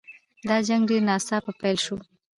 دا جنګ ډېر ناڅاپه پیل شو.